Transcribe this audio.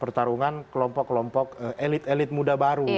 pertarungan kelompok kelompok elit elit muda baru